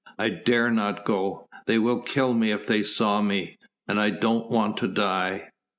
"I dare not go.... They would kill me if they saw me ... and I don't want to die...."